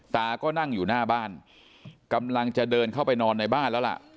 ตาก็นั่งอยู่หน้าบ้านกำลังจะเดินเข้าไปนอนในบ้านแล้วล่ะ